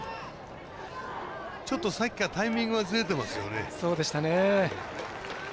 ちょっとさっきからタイミングずれてますよね。